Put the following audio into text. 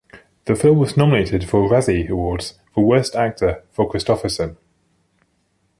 The film was nominated for a Razzie Awards for Worst Actor for Kristofferson.